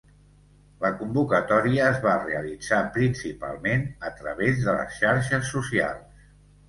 La convocatòria es va realitzar principalment a través de les xarxes socials.